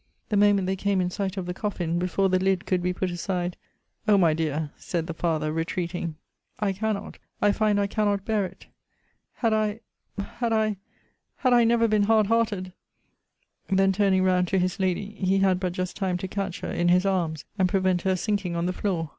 The moment they came in sight of the coffin, before the lid could be put aside, O my dear, said the father, retreating, I cannot, I find I cannot bear it! Had I had I had I never been hard hearted! Then, turning round to his lady, he had but just time to catch her in his arms, and prevent her sinking on the floor.